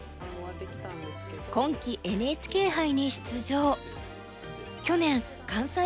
今期ＮＨＫ杯に出場。